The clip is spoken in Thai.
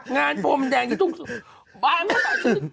งานโพรมแดงที่ทุ่งสุ